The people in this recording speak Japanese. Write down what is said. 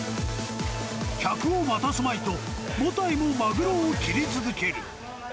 客を待たすまいと、茂田井もマグロを切り続ける。